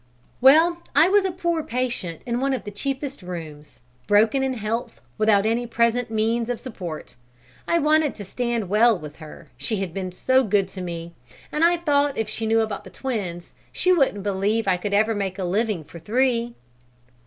"Well, I was a poor patient in one of the cheapest rooms; broken in health, without any present means of support. I wanted to stand well with her, she had been so good to me, and I thought if she knew about the twins she wouldn't believe I could ever make a living for three."